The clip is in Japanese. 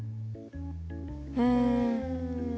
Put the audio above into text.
うん。